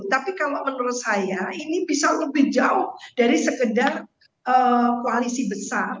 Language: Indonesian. tapi kalau menurut saya ini bisa lebih jauh dari sekedar koalisi besar